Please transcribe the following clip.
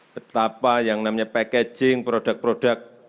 betapa yang namanya packaging produk produk